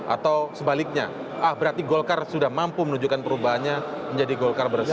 atau sebaliknya ah berarti golkar sudah mampu menunjukkan perubahannya menjadi golkar bersih